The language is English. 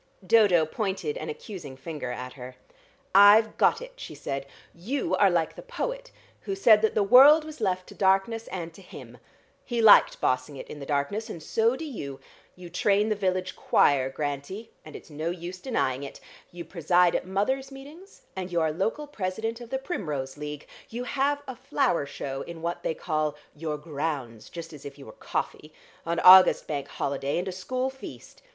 Dodo pointed an accusing finger at her. "I've got it," she said. "You are like the poet who said that the world was left to darkness and to him. He liked bossing it in the darkness, and so do you. You train the village choir, Grantie, and it's no use denying it. You preside at mother's meetings, and you are local president of the Primrose League. You have a flower show in what they call your grounds, just as if you were coffee, on August bank holiday, and a school feast.